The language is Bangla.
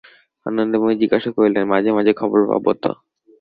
আনন্দময়ী জিজ্ঞাসা করিলেন, মাঝে মাঝে খবর পাব তো?